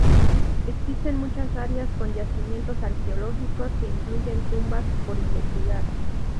Existen muchas áreas con yacimientos arqueológicos que incluyen tumbas, por investigar.